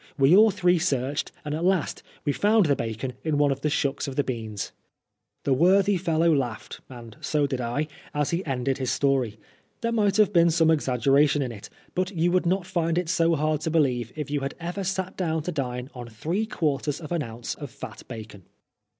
We all three searched, and at last we found the bacon in one of the shucks of the beans." The worthy fellow laughed, and so did I, as he ended his story. There might have been some exaggeration in it, but you would not find it so hard to believe if you had ever sat down to dine on three quarters of an ounce of fat bacon.